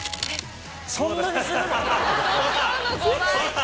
・そんなにするの？